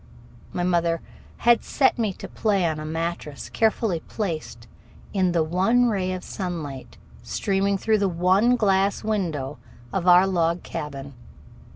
My mother had set me to play on a mattress carefully placed in the one ray of sunlight streaming through the one glass window of our log cabin.